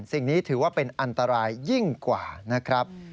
สิ่งนี้ถือว่าเป็นอันตรายยิ่งกว่านะครับ